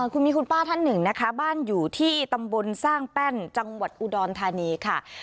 คุณมีคุณป้าท่านหนึ่งนะคะบ้านอยู่ที่ตำบลสร้างแป้นจังหวัดอุดรธานีค่ะ